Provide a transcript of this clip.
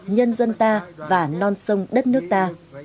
nhân dân ta và non sông đất nước ta